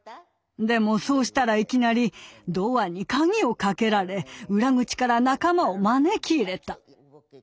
でもそうしたらいきなりドアに鍵をかけられ裏口から仲間を招き入れた。